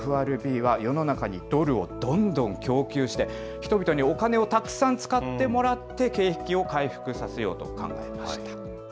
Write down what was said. ＦＲＢは世の中にドルをどんどん供給して、人々にお金をたくさん使ってもらって、景気を回復させようと考えました。